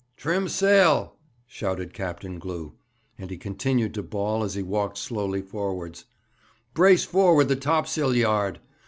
'Trim sail!' shouted Captain Glew; and he continued to bawl as he walked slowly forwards: 'Brace forward the topsail yard!